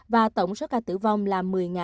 và tổng số ca tử vong là một mươi ba trăm chín mươi ba